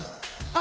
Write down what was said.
あ！